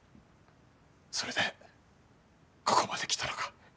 それでここまで来たのか？